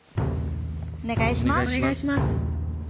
お願いします。